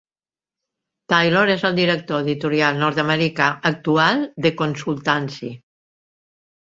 Taylor és el director editorial nord-americà actual d'Econsultancy.